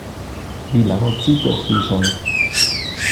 Wie lange zieht der Tee schon?